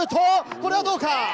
これはどうか？